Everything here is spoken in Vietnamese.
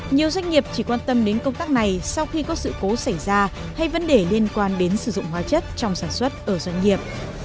nhiều doanh nghiệp chỉ quan tâm đến công tác này sau khi có sự cố xảy ra hay vấn đề liên quan đến sử dụng hóa chất trong sản xuất ở doanh nghiệp